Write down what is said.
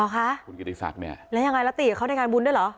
หรอคะแล้วยังไงละติเขาได้การบุญด้วยเหรอ